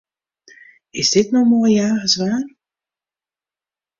Is dit no moai jagerswaar?